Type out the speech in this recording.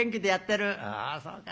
「ああそうか。